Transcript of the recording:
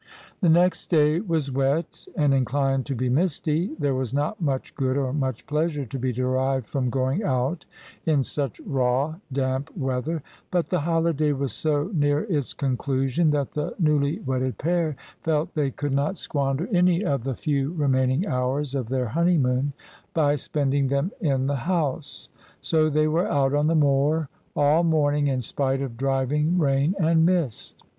The next day was wet and inclined to be misty. There was not much good or much pleasure to be derived from going out in such raw, damp weather; but the holiday was so near its conclusion that the newly wedded pair felt they could not squander any of the few remaining hours of their honeymoon by spending them in the house : so they were out on the moor all morning in spite of driving rain and mist.